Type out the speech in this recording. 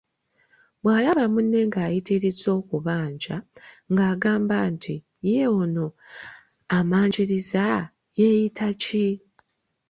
Bwalaba munne ngayitirizza okubanja ng'agambanti ye ono ammanjirira yeeyita ki?